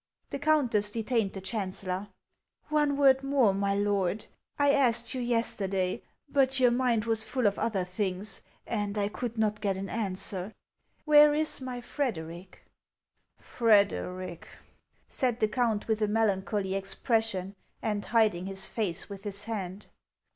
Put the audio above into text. The countess detained the chancellor. " One word more, my lord. I asked yon yesterday, but your mind was full of other things, and I could not get an answer, — where is my Frederic ?"" Frederic !" said the count, with a melancholy ex pression, and hiding his face with his hand.